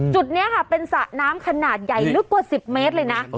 จุดนี้ค่ะเป็นสระน้ำขนาดใหญ่ลึกกว่า๑๐เมตรเลยนะ